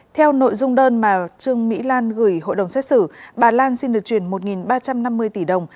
theo nội dung đơn mà trương mỹ lan gửi hội đồng xét xử bà lan xin được chuyển một ba trăm năm mươi tỷ đồng